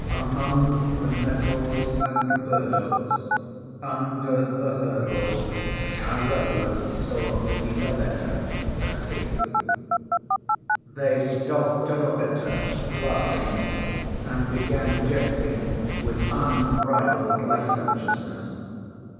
Among the nettles and burdocks under the hurdle our revelers saw Lizaveta asleep. They stopped to look at her, laughing, and began jesting with unbridled licentiousness.